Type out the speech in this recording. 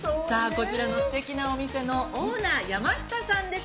◆こちらのすてきなオーナー、山下さんです。